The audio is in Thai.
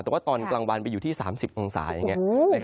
แต่ว่าตอนกลางวันไปอยู่ที่๓๐องศาอย่างนี้